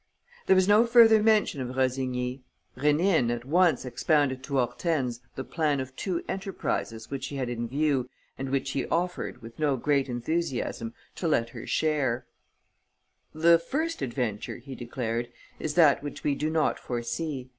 There was no further mention of Rossigny. Rénine at once expounded to Hortense the plan of two enterprises which he had in view and in which he offered, with no great enthusiasm, to let her share: "The finest adventure," he declared, "is that which we do not foresee.